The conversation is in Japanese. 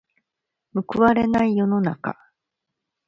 報われない世の中。